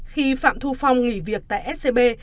khi phạm thu phong nghỉ việc tại scb